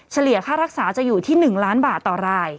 ค่ารักษาจะอยู่ที่๑ล้านบาทต่อราย